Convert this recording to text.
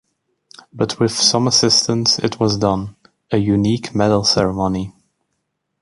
But with some assistance it was done - a unique medal ceremony.